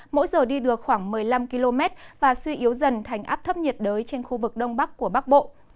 mỗi giờ đi được khoảng một mươi năm km và suy yếu dần thành áp thấp nhiệt đới trên khu vực đông bắc của bắc bộ